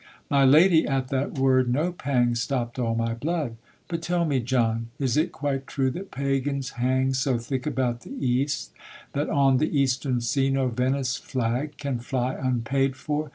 (My lady! at that word no pang Stopp'd all my blood). But tell me, John, Is it quite true that Pagans hang So thick about the east, that on The eastern sea no Venice flag Can fly unpaid for?